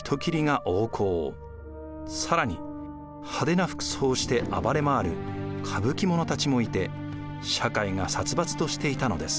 更に派手な服装をして暴れ回るかぶき者たちもいて社会が殺伐としていたのです。